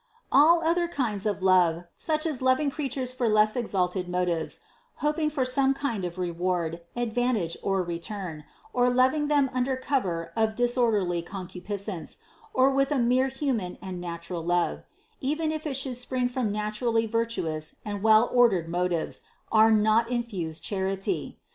532. All other kinds of love, such as loving creatures for less exalted motives, hoping for some kind of re ward, advantage or return, or loving them under cover of disorderly concupiscence, or with a mere human and natural love, even if it should spring from naturally vir tuous and well ordered motives, are not infused charity.